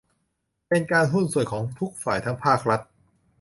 การเป็นหุ้นส่วนของทุกฝ่ายทั้งภาครัฐ